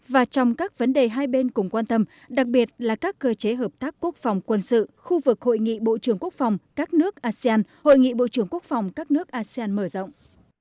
và trong các vấn đề hai bên cùng quan tâm đặc biệt là các cơ chế hợp tác quốc phòng quân sự khu vực hội nghị bộ trưởng quốc phòng các nước asean hội nghị bộ trưởng quốc phòng các nước asean mở rộng